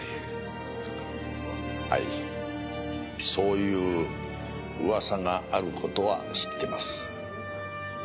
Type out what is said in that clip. そういう噂がある事は知ってます。